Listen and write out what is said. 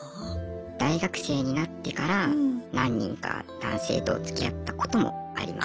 大学生になってから何人か男性とつきあったこともありましたね。